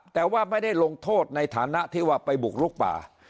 แต่ว่าไม่ได้ลงโทษในฐานะที่ว่าไปบุกลุกป่า